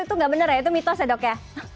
itu nggak benar ya itu mitos ya dok ya